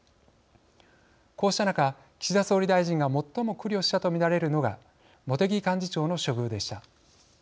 こうした中岸田総理大臣が最も苦慮したと見られるのが茂木幹事長の処遇でした。